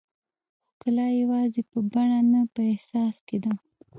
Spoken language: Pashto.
ښکلا یوازې په بڼه نه، په احساس کې ده.